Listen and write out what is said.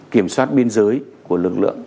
kiểm soát biên giới của lực lượng